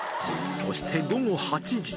そして午後８時。